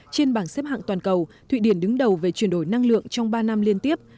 trên bảng xếp hạng toàn cầu thụy điển đứng đầu về chuyển đổi năng lượng trong ba năm liên tiếp